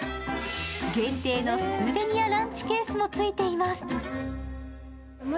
限定のスーベニア・ランチケースもついています。